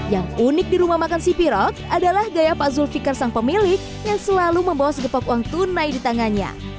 yang unik di rumah makan sipirot adalah gaya pak zulfikar sang pemilik yang selalu membawa segepok uang tunai di tangannya